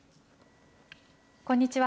こんにちは。